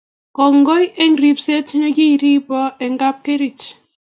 Kongoi eng' ribset ne kiiribo eng' kapkerich